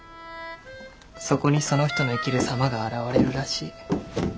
そこにその人の生きる様が現れるらしい。